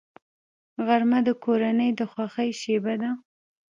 غرمه د کورنۍ د خوښۍ شیبه ده